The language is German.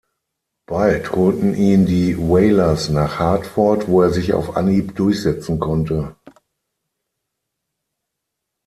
Bald holten ihn die Whalers nach Hartford, wo er sich auf Anhieb durchsetzen konnte.